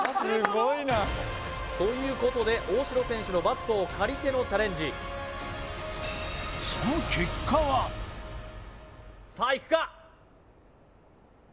すごいなということで大城選手のバットを借りてのチャレンジその結果はさあいくか？